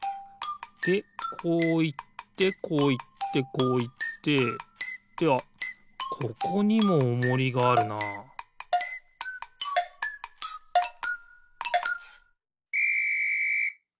でこういってこういってこういってってあっここにもおもりがあるなピッ！